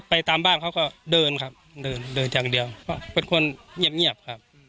ตามบ้านเขาก็เดินครับเดินเดินอย่างเดียวเพราะเป็นคนเงียบครับ